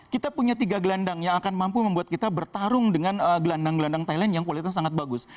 kita punya tiga gelandang yang akan mampu membuat kita bertarung dengan gelandang gelandang thailand yang kualitasnya sangat bagus